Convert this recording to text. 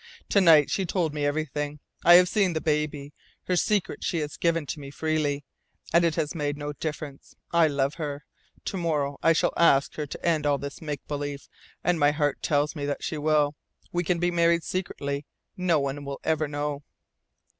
"To night she told me everything. I have seen the baby. Her secret she has given to me freely and it has made no difference. I love her. Tomorrow I shall ask her to end all this make believe, and my heart tells me that she will. We can be married secretly. No one will ever know."